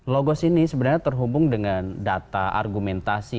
logos ini sebenarnya terhubung dengan data argumentasi